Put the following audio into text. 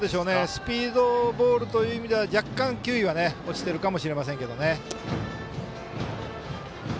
スピードボールという意味では若干球威は落ちてるかもしれませんけどね。